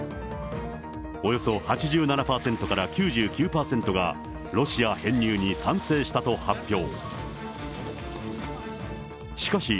およそ８７％から９９％が、ロシア編入に賛成したと発表。